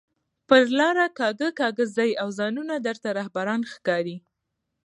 پر لار کاږه کاږه ځئ او ځانونه درته رهبران ښکاري